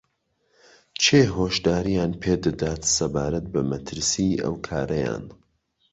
کێ هۆشدارییان پێدەدات سەبارەت بە مەترسیی ئەو کارەیان